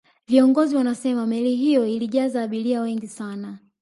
viongozi wanasema meli hiyo ilijaza abiria wengi sana